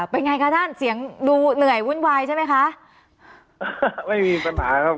เป็นไงคะท่านเสียงดูเหนื่อยวุ่นวายใช่ไหมคะไม่มีปัญหาครับ